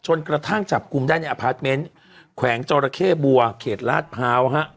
กระทั่งจับกลุ่มได้ในอพาร์ทเมนต์แขวงจอระเข้บัวเขตลาดพร้าวฮะ